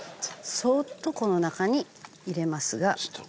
そっとこの中に入れますが。